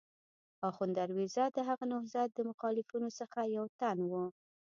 اخوند درویزه د هغه نهضت د مخالفینو څخه یو تن و.